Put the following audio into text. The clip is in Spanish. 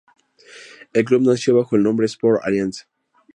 El club nació bajo el nombre "Sport Alianza".